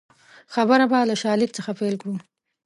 خبره به له شالید څخه پیل کړو